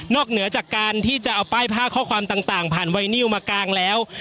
เหนือจากการที่จะเอาป้ายผ้าข้อความต่างผ่านไวนิวมากางแล้ว